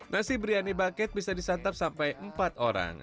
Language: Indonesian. nasi biryani bucket bisa disantap sampai empat orang